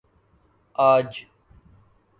آج